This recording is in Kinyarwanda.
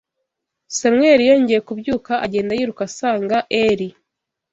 Samweli yongeye kubyuka agenda yiruka asanga Eli